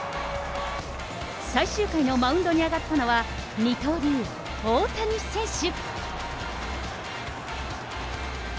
最終回のマウンドに上がったのは、二刀流、大谷選手。